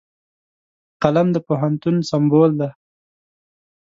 قلم د پوهنتون سمبول دی